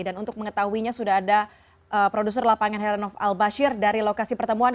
dan untuk mengetahuinya sudah ada produser lapangan heranov al bashir dari lokasi pertemuan